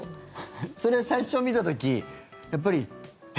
それ、最初見た時やっぱり、え？